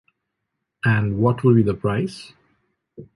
And what would be the price?